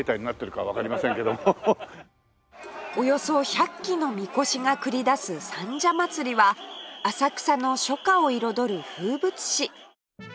およそ１００基の神輿が繰り出す三社祭は浅草の初夏を彩る風物詩